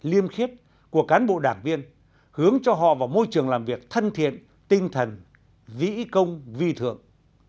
liêm khiếp của cán bộ đảng viên hướng cho họ vào môi trường làm việc thân thiện tinh thần vĩ công vi thượng